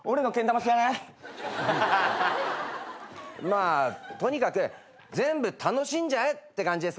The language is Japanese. まあとにかく全部楽しんじゃえって感じですかね。